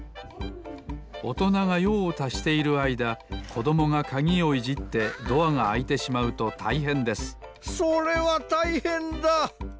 おとながようをたしているあいだこどもがかぎをいじってドアがあいてしまうとたいへんですそれはたいへんだ！